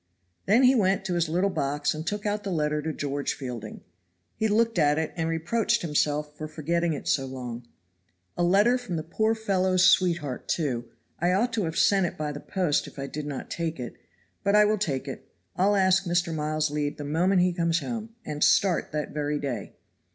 Then he went to his little box and took out the letter to George Fielding. He looked at it and reproached himself for forgetting it so long. "A letter from the poor fellow's sweetheart, too. I ought to have sent it by the post if I did not take it. But I will take it. I'll ask Mr. Miles's leave the moment he comes home, and start that very day."